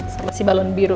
sama si balon biru